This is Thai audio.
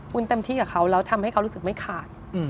เต็มที่กับเขาแล้วทำให้เขารู้สึกไม่ขาด